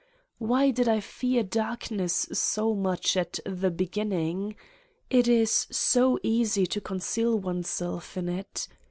Why did I fear darkness so much at the beginning? It is so easy to conceal oneself in it.